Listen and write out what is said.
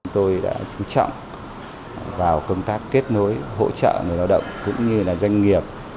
tôi đã chú trọng vào công tác kết nối hỗ trợ người lao động cũng như doanh nghiệp